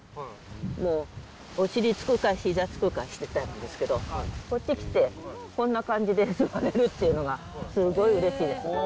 もうお尻つくかひざつくかしてたんですけど、こっち来て、こんな感じで座れるっていうのが、すごいうれしいですね。